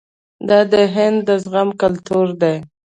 دا د هند د زغم کلتور دی.